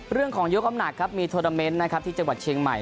เรื่องของยกอมหนักครับมีโทรนาเมนต์นะครับที่จังหวัดเชียงใหม่